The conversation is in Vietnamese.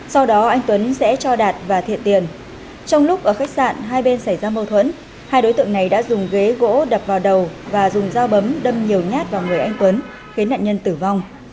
sau đó anh tuấn sẽ cho đạt và thiệt tiền trong lúc ở khách sạn hai bên xảy ra mâu thuẫn hai đối tượng này đã dùng ghế gỗ đập vào đầu và dùng dao bấm đâm nhiều nhát vào người anh tuấn khiến nạn nhân tử vong